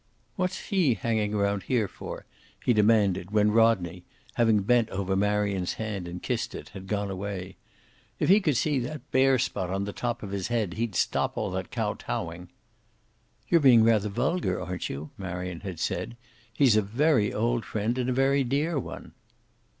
"What's he hanging around here for?" he demanded when Rodney, having bent over Marion's hand and kissed it, had gone away. "If he could see that bare spot on the top of his head he'd stop all that kow towing." "You're being rather vulgar, aren't you?" Marion had said. "He's a very old friend and a very dear one."